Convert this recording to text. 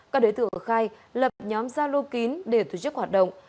các đối tượng khai lập nhóm gia lô kín để tổ chức hoạt động